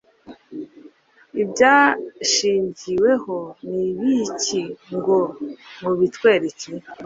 ibyashingiweho nibiki ngo mubitwereke